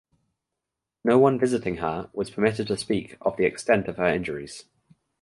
No one visiting her was permitted to speak of the extent of her injuries.